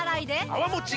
泡もち